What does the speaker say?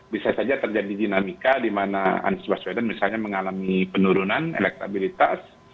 bisa saja terjadi dinamika di mana anies baswedan misalnya mengalami penurunan elektabilitas